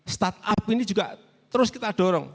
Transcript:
start up ini juga terus kita dorong